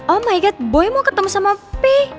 oh my god boy mau ketemu sama pi